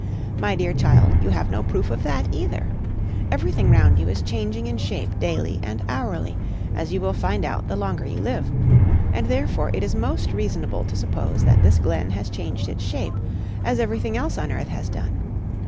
My dear child, you have no proof of that either. Everything round you is changing in shape daily and hourly, as you will find out the longer you live; and therefore it is most reasonable to suppose that this glen has changed its shape, as everything else on earth has done.